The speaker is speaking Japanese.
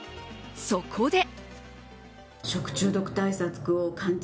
そこで。